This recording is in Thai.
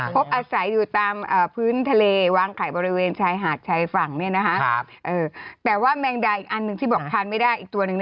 พบอาศัยอยู่ตามพื้นทะเลวางไข่บริเวณชายหาดชายฝั่งแต่ว่าแมงดาอีกอันหนึ่งที่บอกทานไม่ได้อีกตัวหนึ่ง